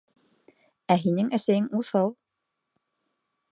Ә һинең әсәйең уҫал.